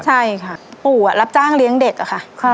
ใช่ค่ะปู่รับจ้างเลี้ยงเด็กอะค่ะ